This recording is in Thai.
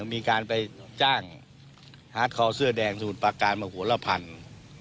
มีการไปจ้างฮาร์ดคอลเสื้อแดงสมุทรประการมาหัวละพัน